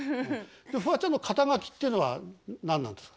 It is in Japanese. フワちゃんの肩書っていうのは何なんですか？